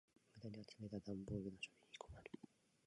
無駄に集めた段ボールの処理に困る。